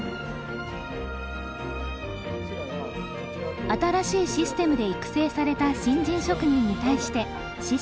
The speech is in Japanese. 新しいシステムで育成された新人職人に対して師匠は。